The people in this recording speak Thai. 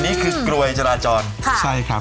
อันนี้เป็นถุงพลาสติกครับ